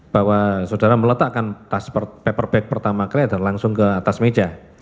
bahwa saudara meletakkan tas paper bag pertama creator langsung ke atas meja